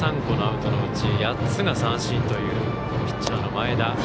１３個のアウトのうち８つが三振というピッチャーの前田。